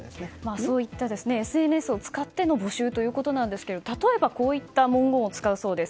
そういったＳＮＳを使っての募集ということですが例えば、こういった文言を使うそうです。＃